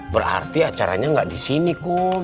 berarti acaranya gak disini kum